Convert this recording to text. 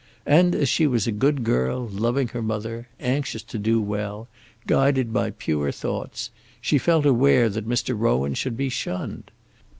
And as she was a good girl, loving her mother, anxious to do well, guided by pure thoughts, she felt aware that Mr. Rowan should be shunned.